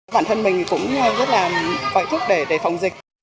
bản thân mình cũng rất là phải thúc để phòng dịch